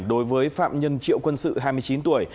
đối với phạm nhân triệu quân sự hai mươi chín tuổi